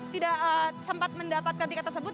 tidak sempat mendapatkan tiket tersebut